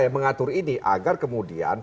mengatur ini agar kemudian